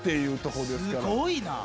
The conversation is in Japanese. すごいな。